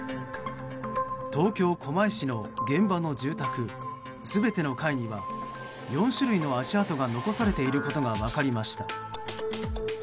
東京・狛江市の現場の住宅全ての階には４種類の足跡が残されていることが分かりました。